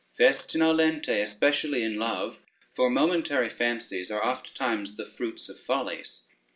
Festina lente, especially in love, for momentary fancies are oft times the fruits of follies.